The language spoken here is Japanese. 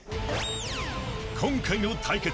［今回の対決